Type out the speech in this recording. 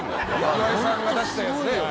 岩井さんが出したやつね。